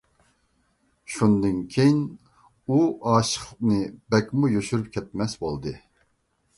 شۇندىن كېيىن ئۇ ئاشىقلىقىنى بەكمۇ يوشۇرۇپ كەتمەس بولدى.